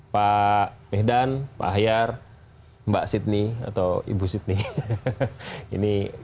pak mihdan pak ahyar mbak sidney atau ibu sidney